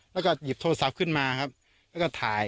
แล้วก็หยิบโทรศัพท์ขึ้นมาครับแล้วก็ถ่าย